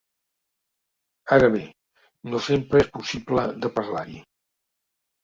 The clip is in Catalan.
Ara bé, no sempre és possible de parlar-hi.